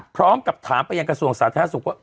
พร้อมกับถามไปยังกระทรวงสาธารณสุขว่า